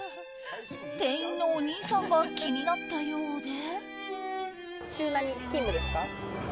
店員のお兄さんが気になったようで。